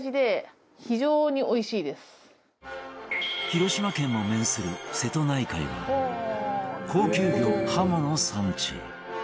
広島県も面する瀬戸内海は高級魚はもの産地